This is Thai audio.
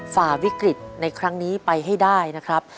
ฝ่าวิกฤตในครั้งนี้ไปให้ได้นะครับ